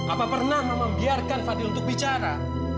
apa pernah mama biarkan fadil untuk bicara